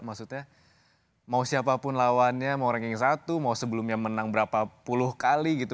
maksudnya mau siapapun lawannya mau ranking satu mau sebelumnya menang berapa puluh kali gitu